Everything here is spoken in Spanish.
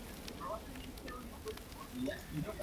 Al tiempo que el país carecía de un proletariado industrial.